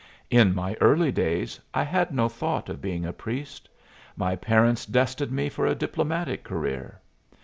In my early days I had no thought of being a priest. My parents destined me for a diplomatic career.